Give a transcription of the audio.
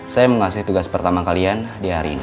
saya mengasih tugas pertama kalian di hari ini